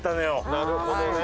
なるほどね。